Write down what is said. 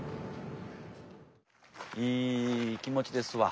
いい気持ちですわ。